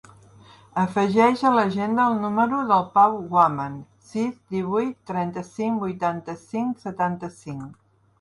Afegeix a l'agenda el número del Pau Guaman: sis, divuit, trenta-cinc, vuitanta-cinc, setanta-cinc.